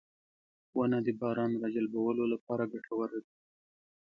• ونه د باران راجلبولو لپاره ګټوره ده.